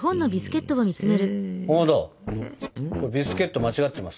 かまどこれ「ビスケット」間違ってます